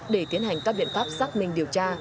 để tiến hành các biện pháp xác minh điều tra